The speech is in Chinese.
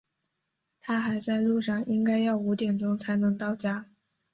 他还在路上，应该要五点钟才能到家。